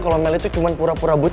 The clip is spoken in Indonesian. kalau mel itu cuma pura pura buta